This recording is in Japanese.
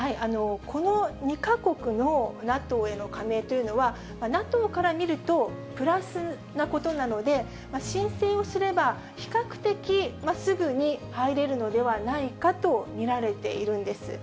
この２か国のＮＡＴＯへの加盟というのは、ＮＡＴＯから見ると、プラスなことなので、申請をすれば比較的すぐに入れるのではないかと見られているんです。